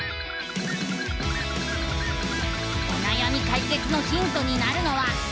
おなやみかいけつのヒントになるのは。